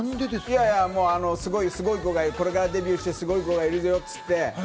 すごい子がいる、これからデビューするすごい子がいるよって言って。